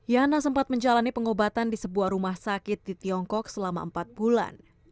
yana sempat menjalani pengobatan di sebuah rumah sakit di tiongkok selama empat bulan